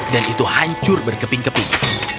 dan itu hancur berkeping keping